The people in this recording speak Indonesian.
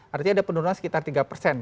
artinya ada penurunan sekitar tiga persen